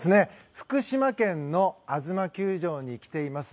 福島県のあづま球場に来ています。